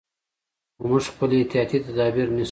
خو موږ خپل احتیاطي تدابیر نیسو.